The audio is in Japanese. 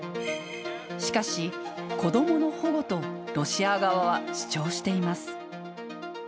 しかし、子どもの保護とロシア側は主張しています。